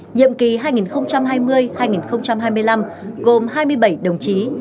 nhiệm kỳ hai nghìn hai mươi hai nghìn hai mươi năm gồm hai mươi bảy đồng chí